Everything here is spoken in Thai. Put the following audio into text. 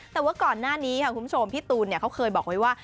แต่ว่าก่อนหน้านี้ค่ะคุณผู้ชมพี่ตูนเขาเคยบอกไว้ว่า